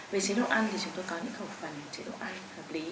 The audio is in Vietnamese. về chế độ ăn thì chúng tôi có những khẩu phần chế độ ăn hợp lý